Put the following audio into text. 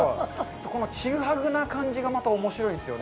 このちぐはぐな感じがまたおもしろいんですよね。